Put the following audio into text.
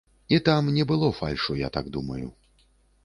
І там не было фальшу, я так думаю.